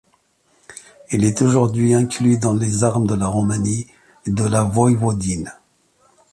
Il est aujourd’hui inclus dans les armes de la Roumanie et de la Voïvodine.